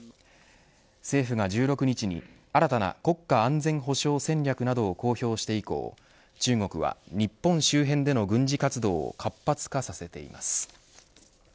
政府が１６日に新たな国家安全保障戦略などを公表して以降中国は、日本周辺での軍事活動を活発化させています。